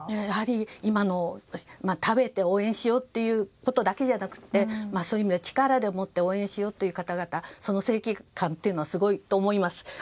やはり今の食べて、応援しようということだけじゃなくて力でもって応援しようという方々その正義感はすごいと思います。